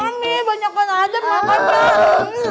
mami banyak banget ada